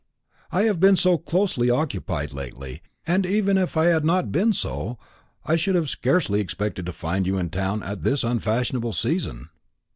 "I have been so closely occupied lately; and even if I had not been so, I should have scarcely expected to find you in town at this unfashionable season."